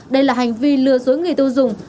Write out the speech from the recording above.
đây là hành vi lừa dối người tiêu dùng